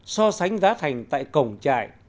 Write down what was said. so sánh giá thành tại cổng trại